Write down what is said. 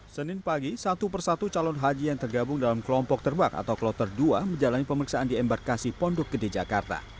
senin pagi satu persatu calon haji yang tergabung dalam kelompok terbak atau kloter dua menjalani pemeriksaan di embarkasi pondok gede jakarta